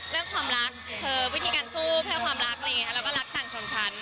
เรื่องความรักคือวิธีการสู้เพื่อความรักแล้วก็รักต่างชนชั้น